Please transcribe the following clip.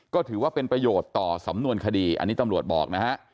ก็ถือว่าเป็นประโยชน์ต่อสำนวนคดีอันนี้ตำรวจบอกนะฮะ